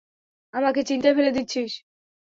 আমাকে চিন্তায় ফেলে দিচ্ছিস।